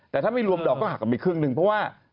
แต่ถ้าไม่รวมดอกก็หักออกไปครึ่งหนึ่งเพราะว่า